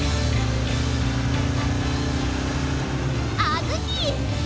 あずき！